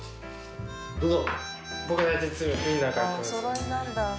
どうぞ。